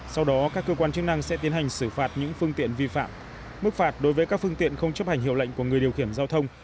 sau đó các cơ quan chức năng sẽ tiến hành xử phạt những phương tiện vi phạm mức phạt đối với các phương tiện không chấp hành hiệu lệnh của người điều khiển giao thông